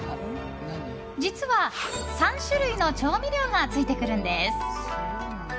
実は、３種類の調味料がついてくるんです。